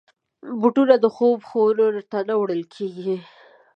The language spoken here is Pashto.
بوټونه د خوب خونو ته نه وړل کېږي.